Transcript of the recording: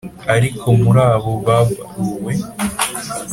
Ariko muri abo babaruwe